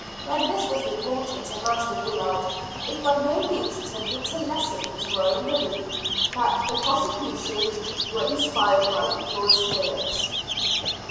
When this was reported to Master Willard, it by no means tended to lessen his growing belief that the prosecutions were inspired by evil spirits.